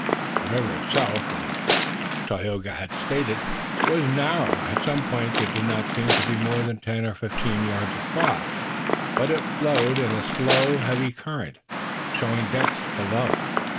The river itself, as Tayoga had stated, was narrow. At some points it did not seem to be more than ten or fifteen yards across, but it flowed in a slow, heavy current, showing depths below.